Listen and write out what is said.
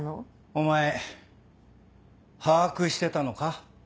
お前把握してたのか？